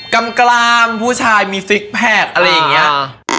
กำกรามผู้ชายมีซิกแพกอะไรอย่างเงี้ย